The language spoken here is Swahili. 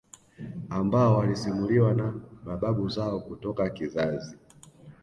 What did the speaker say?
ambao walisimuliwa na mababu zao kutoka kizazi